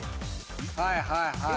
はいはいはい。